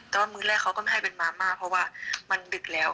แต่ว่ามื้อแรกเขาก็ไม่ให้เป็นมาม่าเพราะว่ามันดึกแล้ว